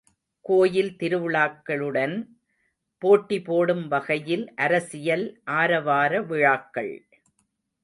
கோயில் திருவிழாக்களுடன் போட்டி போடும் வகையில் அரசியல் ஆரவார விழாக்கள்!